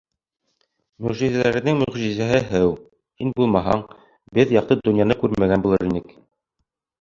— Мөғжизәләрҙең мөғжизәһе һыу! һин булмаһаң, беҙ яҡты донъяны күрмәгән булыр инек.